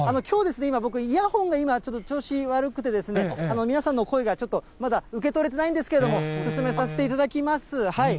きょう、今、僕、イヤホンが今、ちょっと調子悪くてですね、皆さんの声がちょっと、まだ受け取れてないんですけれども、進めさせていただきます。